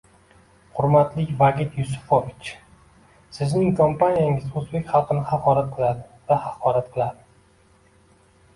Hurmatli Vagit Yusufovich, sizning kompaniyangiz o'zbek xalqini haqorat qiladi va haqorat qiladi